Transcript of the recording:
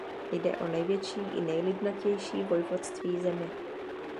Jde o největší i nejlidnatější vojvodství země.